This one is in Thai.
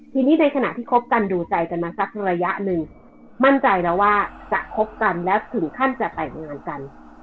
ทีนี้ในขณะที่คบกันดูใจกันมาสักระยะหนึ่งมั่นใจแล้วว่าจะคบกันและถึงขั้นจะแต่งงานกัน